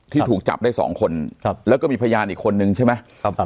ที่ถูกจับได้สองคนแล้วก็มีพยานอีกคนนึงใช่ไหม